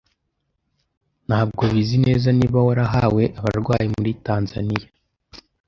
Ntabwo bizwi neza niba warahawe abarwayi muri Tanzania.